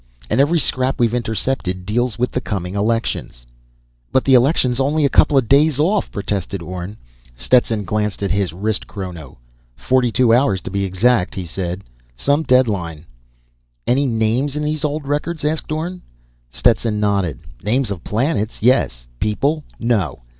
"And every scrap we've intercepted deals with the coming elections." "But the election's only a couple of days off!" protested Orne. Stetson glanced at his wristchrono. "Forty two hours to be exact," he said. "Some deadline!" "Any names in these old records?" asked Orne. Stetson nodded. "Names of planets, yes. People, no.